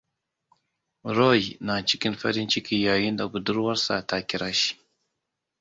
Roy na cikin farin ciki yayinda buduwarsa ta kira shi.